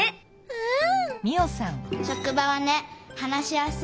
うん！